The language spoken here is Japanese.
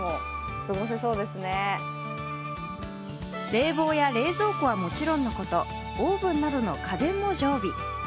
冷房や冷蔵庫はもちろんのこと、オーブンなどの家電も常備。